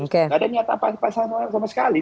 nggak ada niatan apa apa sama sekali